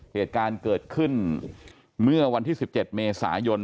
เหตุการณ์เกิดขึ้นเมื่อวันที่๑๗เมษายน